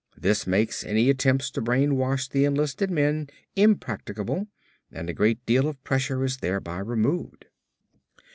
This makes any attempts to brainwash the enlisted men impracticable and a great deal of pressure is thereby removed.